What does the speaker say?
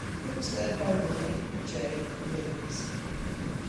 It was led by William J. Williams.